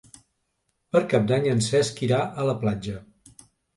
Per Cap d'Any en Cesc irà a la platja.